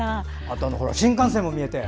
あと新幹線も見えて。